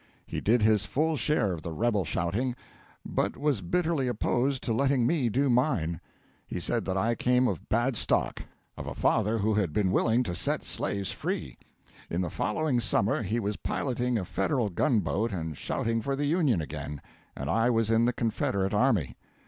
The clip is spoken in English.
He did his full share of the rebel shouting, but was bitterly opposed to letting me do mine. He said that I came of bad stock of a father who had been willing to set slaves free. In the following summer he was piloting a Federal gun boat and shouting for the Union again, and I was in the Confederate army.